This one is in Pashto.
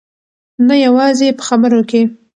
نه یوازې په خبرو کې.